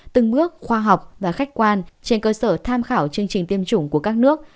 từng bước khoa học và khách quan trên cơ sở tham khảo chương trình tiêm chủng của các nước